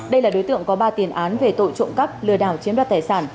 đây là đối tượng có ba tiền án về tội trộm cắp lừa đảo chiếm đoạt tài sản